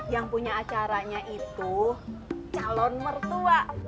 yang punya acaranya itu calon mertua